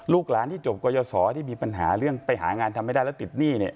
หลานที่จบกรยศที่มีปัญหาเรื่องไปหางานทำไม่ได้แล้วติดหนี้เนี่ย